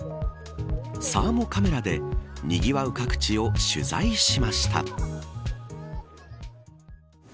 サーモカメラでにぎわう各地を取材しました。